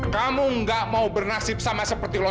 kamu tidak mau bernasib sama saya